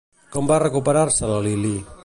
Com va recuperar-se la Lilí?